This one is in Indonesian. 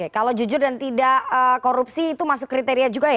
kalau jujur dan tidak korupsi itu masuk kriteria juga ya